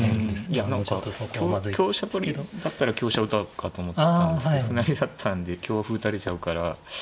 いや何か香車取りだったら香車打とうかと思ったんですけど歩成りだったんで香歩打たれちゃうから。